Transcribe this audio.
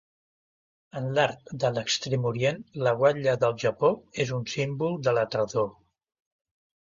En l'art de l'extrem orient la guatlla del Japó és un símbol de la tardor.